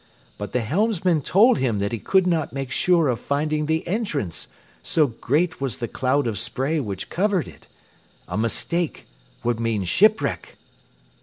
But the helmsman told him that he could not make sure of finding the entrance, so great was the cloud of spray which covered it. A mistake would mean shipwreck.